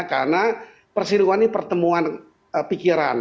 karena perselingkuhan ini pertemuan pikiran